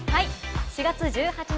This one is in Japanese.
４月１８日